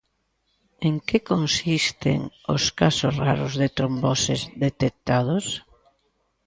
En que consisten os casos raros de tromboses detectados?